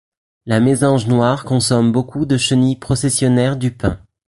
La mésange noire consomme beaucoup de chenilles processionnaires du pin.